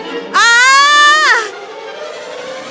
seketika itu wujud asli sang penyihir keluar